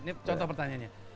ini contoh pertanyaannya